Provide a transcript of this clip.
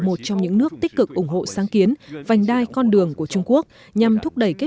một trong những nước tích cực ủng hộ sáng kiến vành đai con đường của trung quốc nhằm thúc đẩy kết